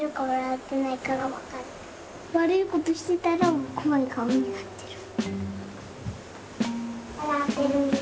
悪いことしてたら怖い顔になってる。